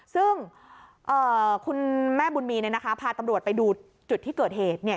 ซึ่งคุณแม่บุญมีพาตำรวจไปดูจุดที่เกิดเหตุ